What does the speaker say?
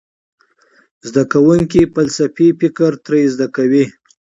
زده کوونکي فلسفي فکر ترې زده کوي.